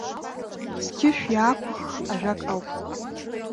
Сқьышә иаақәыхх ажәак ауп.